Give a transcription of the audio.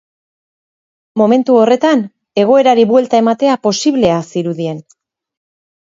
Momentu horretan, egoerari buelta ematea posiblea zirudien.